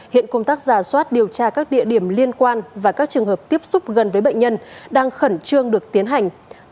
hiện công tác giả soát điều tra các địa điểm liên quan và các trường hợp tiếp xúc gần với bệnh nhân đang khẩn trương được tiến hành